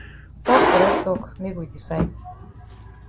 Tok correct tok make we decide.